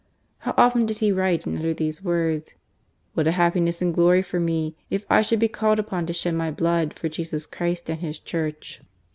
How often did he write and utter these words :" What a happiness and glory for me if I should be called upon to shed my blood for Jesus Christ and His Church."